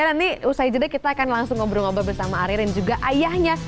nanti usai jeda kita akan langsung ngobrol ngobrol bersama ari dan juga ayahnya